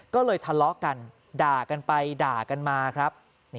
ก็เลยทะเลาะกันด่ากันไปด่ากันมาครับ